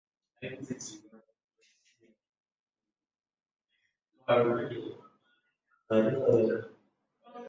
Kupunguza pengo kutoka asilimia sabini na tano mwaka elfu moja mia tisa tisini na nne hadi asilimia kumi na saba mwishoni mwa kipindi hicho.